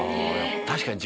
確かに。